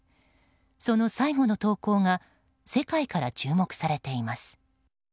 その最後の投稿が世界から注目されています。